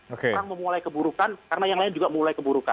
sekarang memulai keburukan karena yang lain juga mulai keburukan